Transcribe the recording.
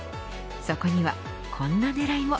そこにはこんな狙いも。